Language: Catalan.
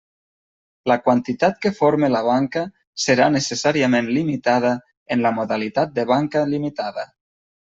La quantitat que forme la banca serà necessàriament limitada en la modalitat de banca limitada.